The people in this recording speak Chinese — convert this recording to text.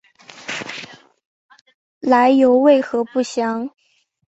来由为何不详。